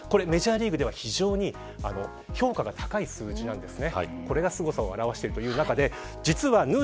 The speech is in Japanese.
これ、メジャーリーグでは非常に評価が高い数字なんですね。